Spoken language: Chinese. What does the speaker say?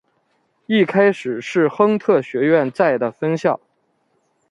一开始是亨特学院在的分校。